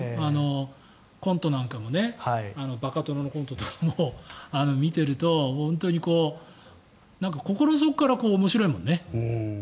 コントなんかもバカ殿のコントなんかも見ていると本当に心の底から面白いもんね。